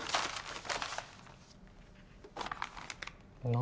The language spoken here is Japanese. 何